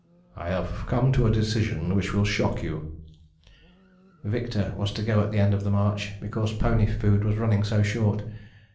"I have come to a decision which will shock you." Victor was to go at the end of the march, because pony food was running so short.